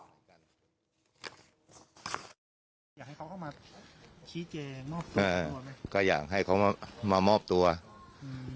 อยากให้เขาเข้ามาชี้แจงมอบตัวไหมก็อยากให้เขามามามอบตัวอืม